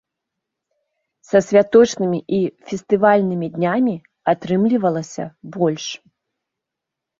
Са святочнымі і фестывальнымі днямі атрымлівалася больш.